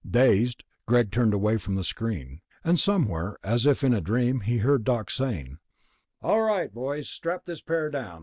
Dazed, Greg turned away from the screen, and somewhere, as if in a dream, he heard Doc saying, "All right, boys, strap this pair down.